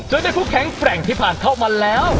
เจอได้คู่แข่งแฟรงค์ที่ผ่านเข้ามาแล้ว